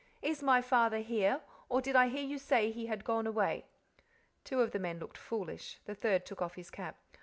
Is my father here, or did I hear you say he had gone away?" Two of the men looked foolish, the third took off his cap.